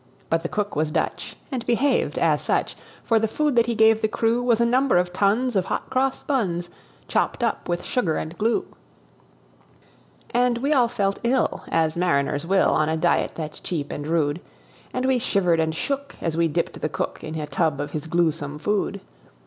But the cook was Dutch, and behaved as such; For the food that he gave the crew Was a number of tons of hot cross buns, Chopped up with sugar and glue. And we all felt ill as mariners will, On a diet that's cheap and rude; And we shivered and shook as we dipped the cook In a tub of his gluesome food.